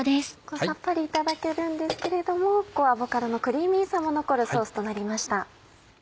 さっぱりいただけるんですけれどもアボカドのクリーミーさも残るソースとなりました。